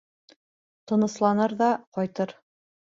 Тынысланыр ҙа ҡайтыр.